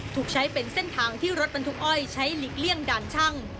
ถูกใช้เป็นเส้นทางที่รถบรรทุกอ้อยใช้หลีกเลี่ยงด่านช่าง